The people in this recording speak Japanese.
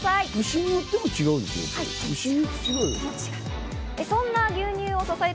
牛によっても違うでしょ？